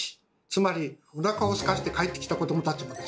つまりおなかをすかせて帰ってきた子どもたちもですね